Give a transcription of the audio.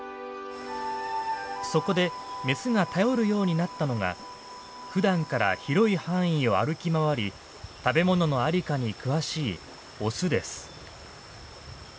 そこでメスが頼るようになったのがふだんから広い範囲を歩き回り食べ物の在りかに詳しいオスです。